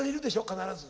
必ず。